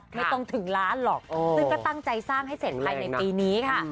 ไม่ต้องถึงล้านหรอกซึ่งก็ตั้งใจสร้างให้เสร็จภายในปีนี้ค่ะ